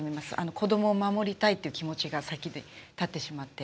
子どもを守りたいっていう気持ちが先に立ってしまって。